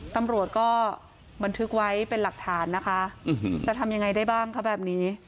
ตำรวจก็บันทึกไว้เป็นหลักฐานนะคะจะทำยังไงได้บ้างคะแบบนี้